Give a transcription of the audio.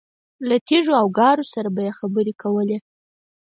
له تیږو او ګارو سره به یې خبرې کولې.